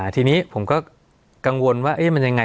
ทีนี้ผมก็กังวลว่ามันยังไง